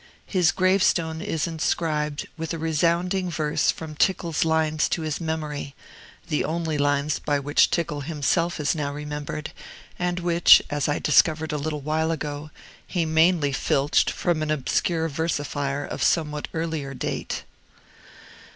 His gravestone is inscribed with a resounding verse from Tickell's lines to his memory, the only lines by which Tickell himself is now remembered, and which (as I discovered a little while ago) he mainly filched from an obscure versifier of somewhat earlier date.